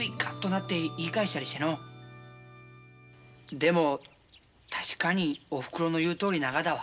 でも確かにおふくろの言うとおりながだわ。